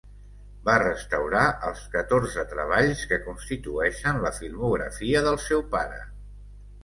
Va restaurar els catorze treballs que constitueixen la filmografia del seu pare.